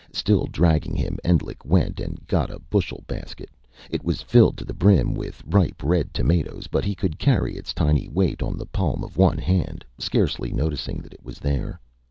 Still dragging him, Endlich went and got a bushel basket. It was filled to the brim with ripe, red tomatoes, but he could carry its tiny weight on the palm of one hand, scarcely noticing that it was there.